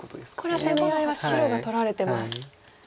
これは攻め合いは白が取られてます。